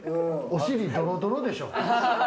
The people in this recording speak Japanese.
お尻ドロドロでしょ。